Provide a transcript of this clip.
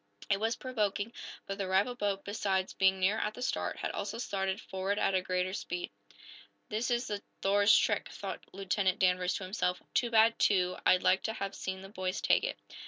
It was provoking, but the rival boat, besides being nearer at the start, had also started forward at greater speed. "This is the 'Thor's' trick," thought Lieutenant Danvers to himself. "Too bad, too. I'd like to have seen the boys take it."